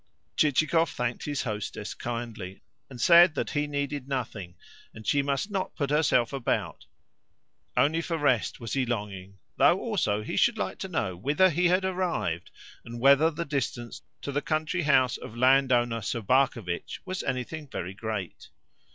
Chichikov thanked his hostess kindly, and said that he needed nothing, and she must not put herself about: only for rest was he longing though also he should like to know whither he had arrived, and whether the distance to the country house of land owner Sobakevitch was anything very great.